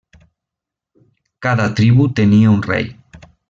Cada tribu tenia un rei.